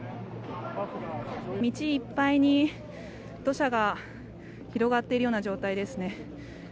道いっぱいに土砂が広がっているような状態ですね。